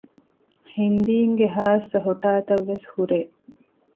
ހިންދީންގެ ޚާއްސަ ހޮޓާތައް ވެސް ހުރޭ